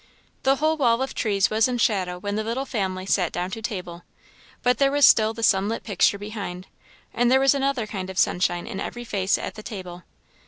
The whole wall of trees was in shadow when the little family sat down to table; but there was still the sunlit picture behind; and there was another kind of sunshine in every face at the table.